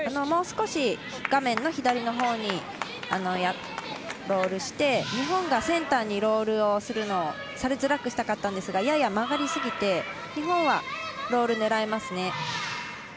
もう少し画面の左のほうにロールして日本がセンターにロールをするのをされづらくしたかったんですがやや曲がりすぎて日本はロール、狙えますね。